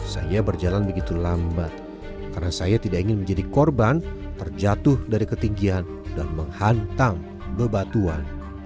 saya berjalan begitu lambat karena saya tidak ingin menjadi korban terjatuh dari ketinggian dan menghantam bebatuan